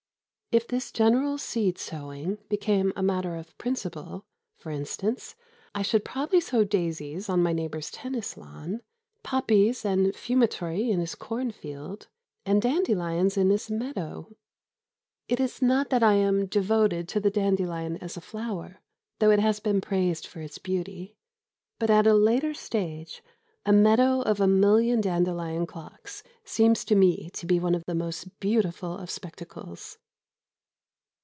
If this general seed sowing became a matter of principle, for instance, I should probably sow daisies on my neighbour's tennis lawn, poppies and fumitory in his cornfield, and dandelions in his meadow. It is not that I am devoted to the dandelion as a flower, though it has been praised for its beauty, but at a later stage a meadow of a million dandelion clocks seems to me to be one of the most beautiful of spectacles.